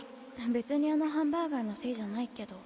別にあのハンバーガーのせいじゃないけど。